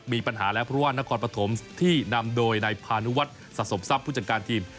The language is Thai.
มีปัญหาแล้วเพราะว่านครปฐมที่นำโดยนายพานุวัฒน์สะสมทรัพย์ผู้จัดการทีม